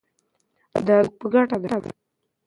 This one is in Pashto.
دا زموږ په ګټه ده.